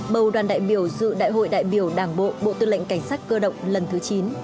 bầu đoàn đại biểu dự đại hội đại biểu đảng bộ bộ tư lệnh cảnh sát cơ động lần thứ chín